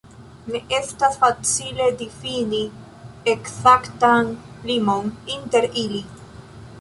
Ne estas facile difini ekzaktan limon inter ili.